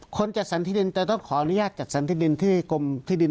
จัดสรรที่ดินจะต้องขออนุญาตจัดสรรที่ดินที่กรมที่ดิน